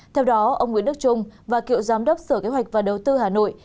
theo đó ông nguyễn đức trung và cựu giám đốc sở kế hoạch và đầu tư hà nội